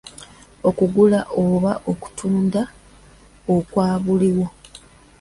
Okugula oba okutunda okwa buliwo.